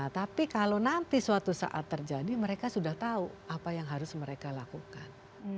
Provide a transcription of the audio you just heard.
tapi kalau nanti suatu saat terjadi mereka sudah tahu apa yang harus mereka lakukan